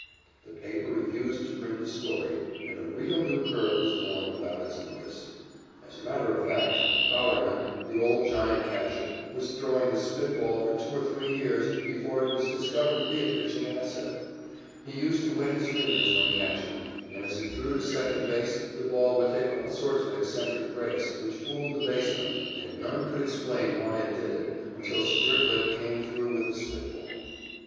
The paper refused to print the story and a real new curve was born without its notice. As a matter of fact, Bowerman, the old Giant catcher, was throwing the spit ball for two or three years before it was discovered to be a pitching asset. He used to wet his fingers when catching, and as he threw to second base the ball would take all sorts of eccentric breaks which fooled the baseman, and none could explain why it did it until Stricklett came through with the spit ball.